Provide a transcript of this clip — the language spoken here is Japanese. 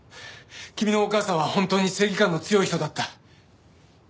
君のお母さんは本当に正義感の強い人だった。